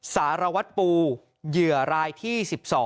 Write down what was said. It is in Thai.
สารวัตรปูเหยื่อรายที่๑๒